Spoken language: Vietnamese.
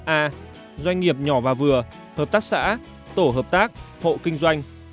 a doanh nghiệp nhỏ và vừa hợp tác xã tổ hợp tác hộ kinh doanh